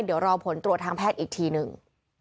เดี๋ยวรอผลตรวจทางแพทย์อีกทีหนึ่ง